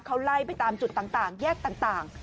เขาไล่ไปตามจุดต่างแยกต่าง